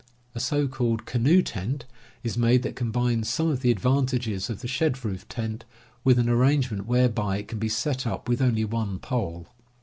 A so called "canoe tent" is made that combines some of the advantages of the shed roof tent with an arrangement whereby it can be set up with only one pole.